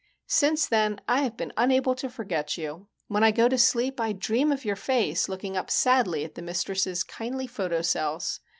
_ _Since then I have been unable to forget you. When I go to sleep, I dream of your face looking up sadly at the mistress's kindly photocells.